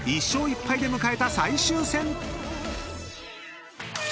１勝１敗で迎えた最終戦］